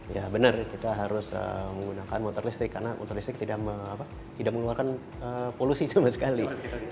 ya benar kita harus menggunakan motor listrik karena motor listrik tidak mengeluarkan polusi sama sekali